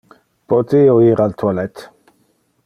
Pote io ir al toilette?